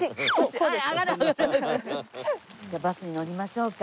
じゃあバスに乗りましょうか。